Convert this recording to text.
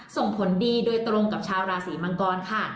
ส่งผลดีโดยตรงกับชาวราศีมังกรค่ะ